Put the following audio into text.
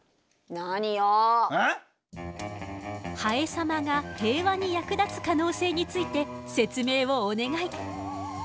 ハエ様が平和に役立つ可能性について説明をお願い。